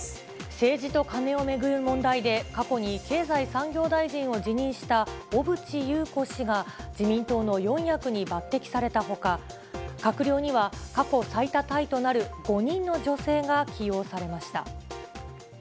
政治とカネを巡る問題で、過去に経済産業大臣を辞任した小渕優子氏が、自民党の四役に抜てきされたほか、閣僚には過去最多タイとなる５人の女性が起用されました。